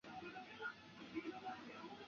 可用作下载自由软件及免费软件。